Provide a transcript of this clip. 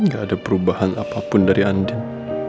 gak ada perubahan apapun dari andden